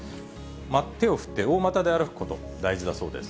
手を振って大股で歩くこと、大事だそうです。